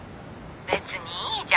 別にいいじゃん。